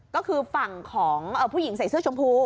ก็คือฝั่งของผู้หญิงใส่เสื้อชมพู